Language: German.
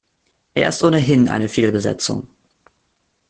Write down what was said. Er ist ohnehin eine Fehlbesetzung.